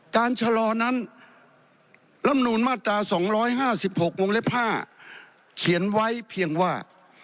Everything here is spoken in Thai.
การชะลอนั้นลำนูนมาตรา๒๕๖วงเล็บ๕เขียนไว้เพียงว่า